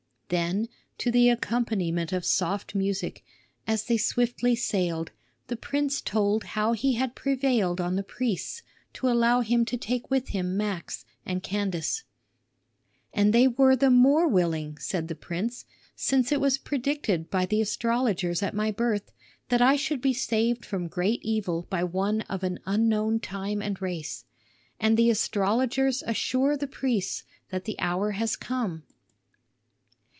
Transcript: Then to the accompaniment of soft music, as they swiftly sailed, the prince told how he had prevailed on the priests to allow him to take with him Max and Candace. "And they were the more willing," said the prince, "since it was predicted by the astrologers at my birth that I should be saved from great evil by one of an unknown time and race. And the astrologers assure the priests that the hour has come."